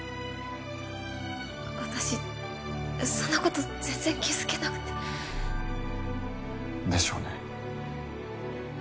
私そんなこと全然気付けなくて。でしょうね。